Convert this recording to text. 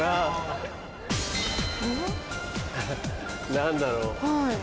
何だろう。